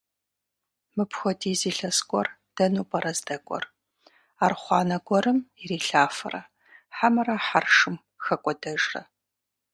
Мыпхуэдиз илъэс кӏуэр дэну пӏэрэ здэкӏуэр? Архъуанэ гуэрым ирилъафэрэ хьэмэрэ хьэршым хэкӏуэдэжрэ?